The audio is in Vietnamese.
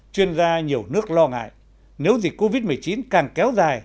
chuyên gia nhiều nước lo ngại nếu dịch covid một mươi chín càng kéo dài